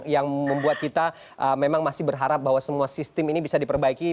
yang membuat kita memang masih berharap bahwa semua sistem ini bisa diperbaiki